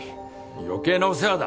余計なお世話だ。